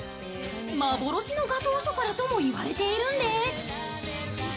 幻のガトーショコラとも言われているんです。